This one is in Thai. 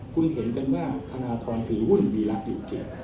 คุณเห็นกันว่าพนธรถือวุ่นวีรักอยู่เจียบ